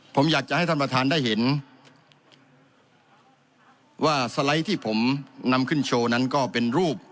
ผมอยากจะให้ท่านประธานได้เห็นว่าสไลด์ที่ผมนำขึ้นโชว์นั้นก็เป็นรูป